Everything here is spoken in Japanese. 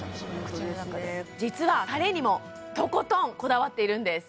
口の中で実はタレにもとことんこだわっているんです